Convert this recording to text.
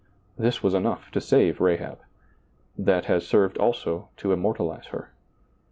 That was enough to save Rahab; that has served also to immortalize her.